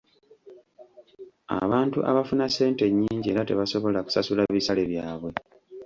Abantu abafuna ssente ennyingi era tebasobola kusasula bisale byabwe.